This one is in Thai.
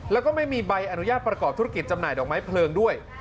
แล้วก็ไม่มีใบอนุญาตประกอบธุรกิจจำหน่ายดอกไม้เพลิงด้วย